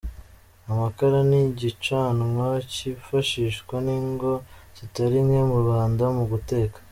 Amakara ni igicanwa cyifashishwa n’ingo zitari nke mu Rwanda, mu guteka.